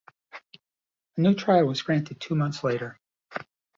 A new trial was granted two months later.